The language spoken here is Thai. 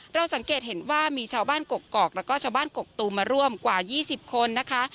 เราสังเกตเห็นว่ามีชาวบ้านกกอกแล้วก็ชาวบ้านกกตูมมาร่วมกว่า๒๐คนนะคะ